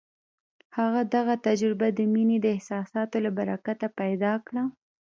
هغه دغه تجربه د مينې د احساساتو له برکته پيدا کړه.